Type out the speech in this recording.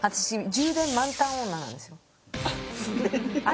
充電満タン女なんですよ